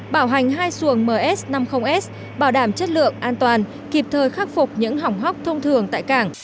bảo hành hai xuồng ms năm mươi s bảo đảm chất lượng an toàn kịp thời khắc phục những hỏng hóc thông thường tại cảng